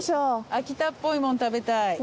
秋田っぽいもん食べたい。